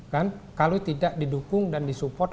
kan kalau tidak didukung dan disupport